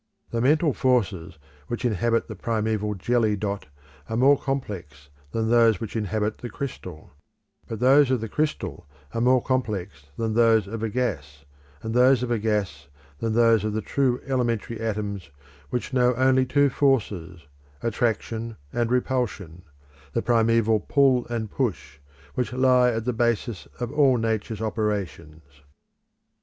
The mental forces which inhabit the primeval jelly dot are more complex than those which inhabit the crystal; but those of the crystal are more complex than those of a gas, and those of a gas than those of the true elementary atoms which know only two forces attraction and repulsion the primeval "Pull and Push," which lie at the basis of all Nature's operations.